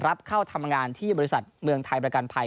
เข้าทำงานที่บริษัทเมืองไทยประกันภัย